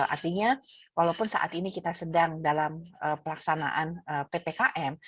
artinya walaupun saat ini kita sedang dalam pelaksanaan ppkm